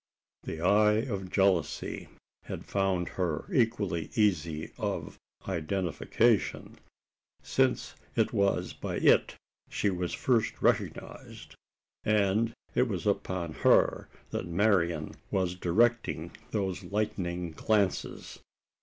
The eye of jealousy had found her equally easy of identification: since it was by it she was first recognised. It was upon her that Marian was directing those lightning glances.